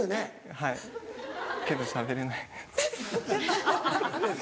はいけどしゃべれないです。